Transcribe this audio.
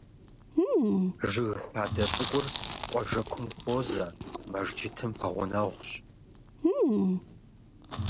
Жыг хадэ цӏыкӏур къуажэкум хуозэ, мэжджытым пэгъунэгъущ.